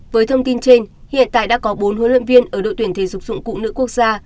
với thông tin trên hiện tại đã có bốn huấn luyện viên ở đội tuyển thể dục dụng cụ nữ quốc gia